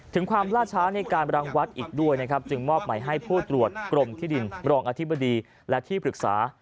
ความล่าช้าในการรังวัดอีกด้วยนะครับจึงมอบหมายให้ผู้ตรวจกรมที่ดินรองอธิบดีและที่ปรึกษา